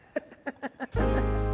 ハハハハハ。